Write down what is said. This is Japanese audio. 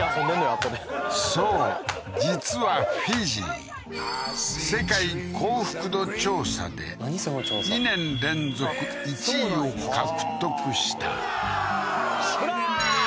あっこでそう実はフィジー世界幸福度調査で２年連続１位を獲得したブラ！